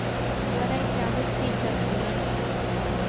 waray chamuptii chaskimankim.